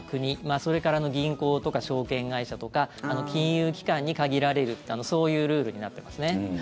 それから銀行とか証券会社とか金融機関に限られるそういうルールになってますね。